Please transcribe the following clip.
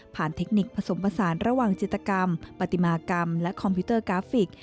เทคนิคผสมผสานระหว่างจิตกรรมปฏิมากรรมและคอมพิวเตอร์กราฟิก